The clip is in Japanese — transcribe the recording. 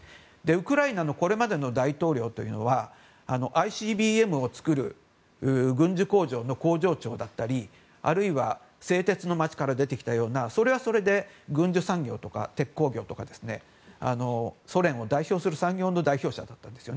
ウクライナのこれまでの大統領というのはＩＣＢＭを作る軍事工場の工場長だったりあるいは製鉄の町から出てきたようなそれはそれで軍需産業や鉄鋼業とかソ連を代表する産業の代表者なんです。